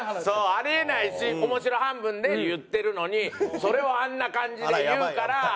そうあり得ないし面白半分で言ってるのにそれをあんな感じで言うから。